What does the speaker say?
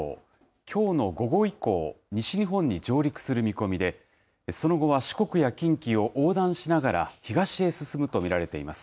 きょうの午後以降、西日本に上陸する見込みで、その後は四国や近畿を横断しながら、東へ進むと見られています。